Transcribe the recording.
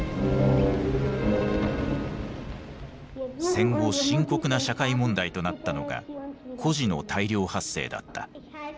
戦後深刻な社会問題となったのが孤児の大量発生だった。